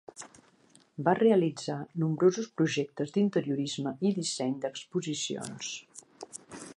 Va realitzar nombrosos projectes d'interiorisme i disseny d'exposicions.